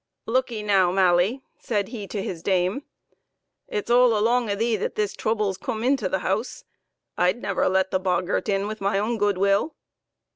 " Look 'ee, now, Mally," said he to his dame, "it's all along o' thee that this trouble's coome intull th' house. I'd never let the boggart in with my own good will!"